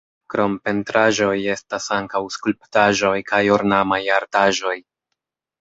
Krom pentraĵoj estas ankaŭ skulptaĵoj kaj ornamaj artaĵoj.